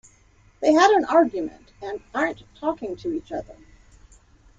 They had an argument and aren't talking to each other.